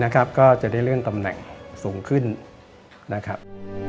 ก็จะได้เลื่อนตำแหน่งสูงขึ้นนะครับ